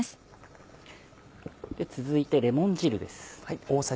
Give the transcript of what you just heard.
続いてレモン汁です。